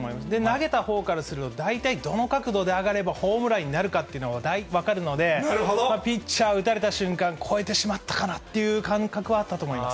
投げたほうからすると、大体どの角度で上がればホームランになるかというのは、大体分かるので、ピッチャー、打たれた瞬間、越えてしまったかなっていう感覚はあったと思います。